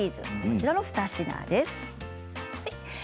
こちらの２品です。